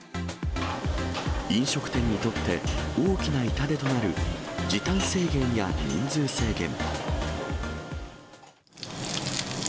飲食店にとって大きな痛手となる、時短制限や人数制限。